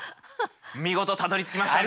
見事たどりつきましたね。